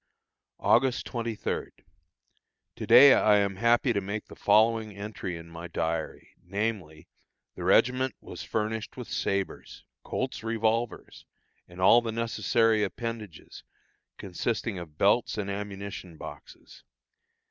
August 23. To day I am happy to make the following entry in my diary, namely: the regiment was furnished with sabres, Colt's revolvers and all the necessary appendages, consisting of belts and ammunition boxes.